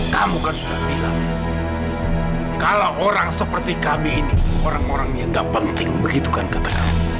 kamu kan sudah bilang kalau orang seperti kami ini orang orangnya gak penting begitu kan kata kamu